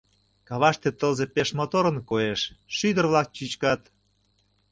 Каваште тылзе пеш моторын коеш, шӱдыр-влак чӱчкат.